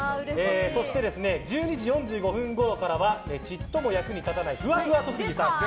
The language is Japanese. そして１２時４５分ごろからはちっとも役に立たないふわふわ特技さん。